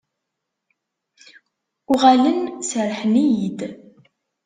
Uɣalen serrḥen-iyi-d.